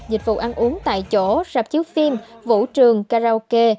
dịch vụ ăn uống tại chỗ sạp chiếu phim vũ trường karaoke